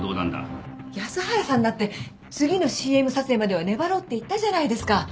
安原さんだって次のＣＭ撮影までは粘ろうって言ったじゃないですか。